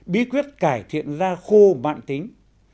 bí quyết cải thiện ra khô bạn tính